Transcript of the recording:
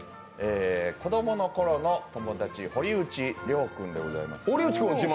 子供のころの友達、堀内亮君でございます。